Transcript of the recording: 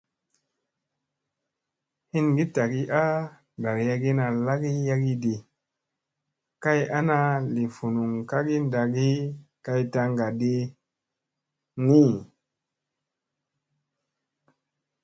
Hingi tagi a ɗarayagina lagii yagii di kay ana ,kay ana li vunun kagi ɗagii kay tanga.